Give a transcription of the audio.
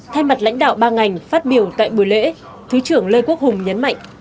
thay mặt lãnh đạo ba ngành phát biểu tại buổi lễ thứ trưởng lê quốc hùng nhấn mạnh